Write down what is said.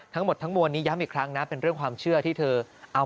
ทั้งหมดทั้งมวลนี้ย้ำอีกครั้งนะเป็นเรื่องความเชื่อที่เธอเอา